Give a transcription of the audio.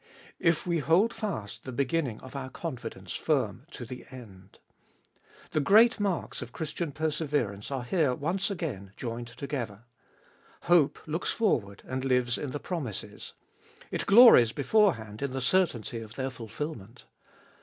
If we hold fast the beginning of our con fidence firm to the end." The great marks of Christian perse verance are here once again joined together. Hope looks forward and lives in the promises ; it glories beforehand in the certainty of their fulfilment.